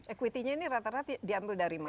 equity nya ini rata rata diambil dari mana